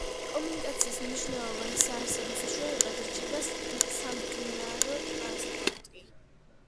კომუნიკაციის მნიშვნელოვან საარსებო საშუალებად რჩება სამდინარო ტრანსპორტი.